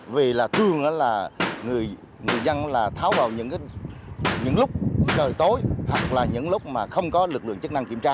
vì là thường là người dân là tháo vào những lúc trời tối hoặc là những lúc mà không có lực lượng chức năng kiểm tra